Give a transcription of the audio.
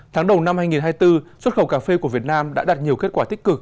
tháng đầu năm hai nghìn hai mươi bốn xuất khẩu cà phê của việt nam đã đạt nhiều kết quả tích cực